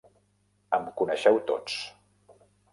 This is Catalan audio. Em coneixeu tots!